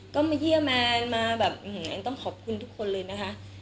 ก็มาเยี่ยมมาอยู่ต้องขอบคุณทุกคนเลยนะคะ